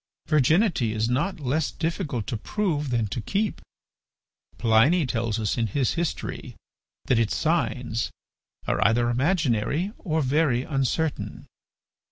Virginity is not less difficult to prove than to keep. Pliny tells us in his history that its signs are either imaginary or very uncertain.